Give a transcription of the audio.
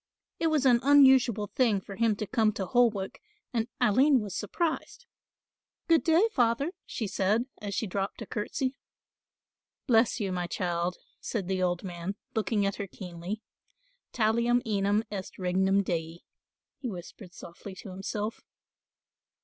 It was an unusual thing for him to come to Holwick and Aline was surprised. "Good day, Father," she said, as she dropped a curtsey. "Bless you, my child," said the old man, looking at her keenly, "talium enim est regnum dei," he whispered softly to himself.